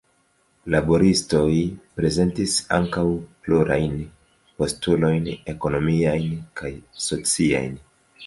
Laboristoj prezentis ankaŭ plurajn postulojn ekonomiajn kaj sociajn.